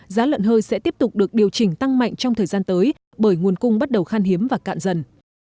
giá lợn hơi sẽ tiếp tục được điều chỉnh tăng mạnh trong thời gian tới bởi nguồn cung bắt đầu khan hiếm và cạn dần